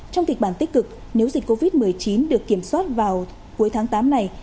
trong kịch bản tích cực nếu dịch covid một mươi chín được kiểm soát vào cuối tháng tám này